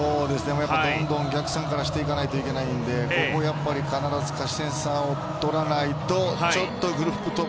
どんどん逆算していかないといけないのでここは必ず勝ち点３を取らないとちょっとグループステージ